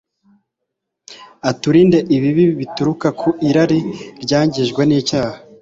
aturinde ibibi bituruka ku irari ryangijwe n'icyaha